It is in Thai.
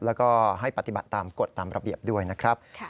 แล้วก็ให้ปฏิบัติตามกฎตามระเบียบด้วยนะครับ